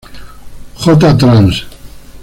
J. Trans.